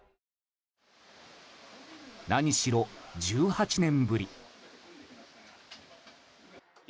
何しろ、１８年ぶり。